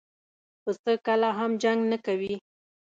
پسه کله هم جنګ نه کوي.